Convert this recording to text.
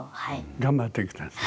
頑張って下さい。